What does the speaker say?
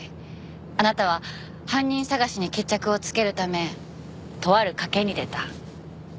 あなたは犯人捜しに決着をつけるためとある賭けに出た。